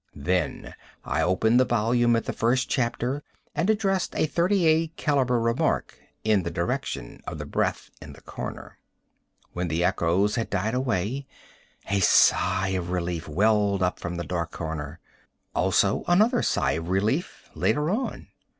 Then I opened the volume at the first chapter and addressed a thirty eight calibre remark in the direction of the breath in the corner. When the echoes had died away a sigh of relief welled up from the dark corner. Also another sigh of relief later on.